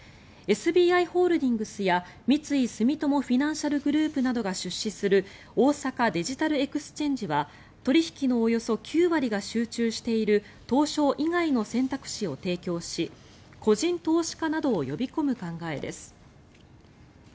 ＳＢＩホールディングスや三井住友フィナンシャルグループなどが出資する大阪デジタルエクスチェンジは取引のおよそ９割が集中している東証以外の選択肢を提供し個人投資家などを呼び込む考えです。